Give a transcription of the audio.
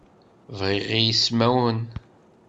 Bɣiɣ ismawen.